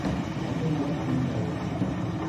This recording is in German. Gentleman und "Marry me".